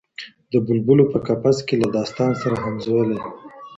د بلبلو په قفس کي له داستان سره همزولی